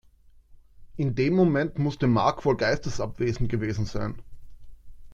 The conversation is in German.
In dem Moment musste Mark wohl geistesabwesend gewesen sein.